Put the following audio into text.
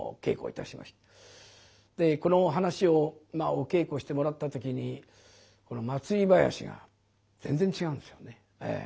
この噺をお稽古してもらった時に祭り囃子が全然違うんですよね。